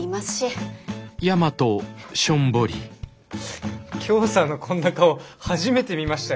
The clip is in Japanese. フッフフきょーさんのこんな顔初めて見ましたよ。